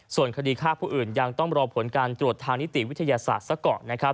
ส่วนคดีฆ่าผู้อื่นยังต้องรอผลการตรวจทางนิติวิทยาศาสตร์ซะก่อนนะครับ